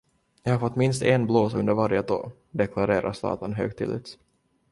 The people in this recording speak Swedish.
Jag har fått minst en blåsa under varje tå, deklarerade Zlatan högtidligt.